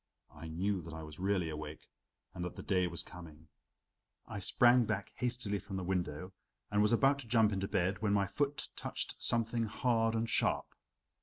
I knew that I was really awake and that the day was coming. I sprang back hastily from the window and was about to jump into bed, when my foot touched something hard and sharp.